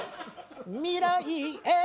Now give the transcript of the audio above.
未来へ！